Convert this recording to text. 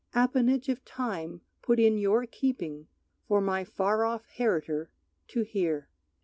Appanage of time put in your keeping For my far off heritor to hear.